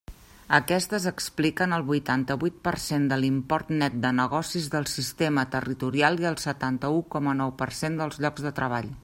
Aquestes expliquen el vuitanta-vuit per cent de l'import net de negocis del sistema territorial i el setanta-u coma nou per cent dels llocs de treball.